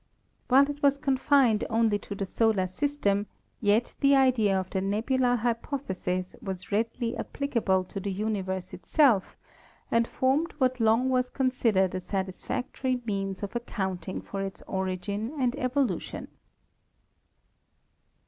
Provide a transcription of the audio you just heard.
While it was con fined only to the solar system, yet the idea of the nebular hypothesis was readily applicable to the universe itself and formed what long was considered a satisfactory means of accounting for its origin and evolution.